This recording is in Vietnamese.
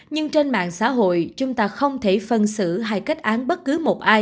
nhưng trên mạng xã hội chúng ta không thể phân xử hay kết án bất cứ một ai